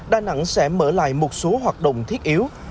đà nẵng sẽ mở lại một số hoạt động thiết yếu